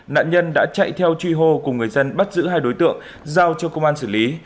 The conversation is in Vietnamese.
nạn nhân đã chạy theo truy hô cùng người dân bắt giữ hai đối tượng giao cho công an xử lý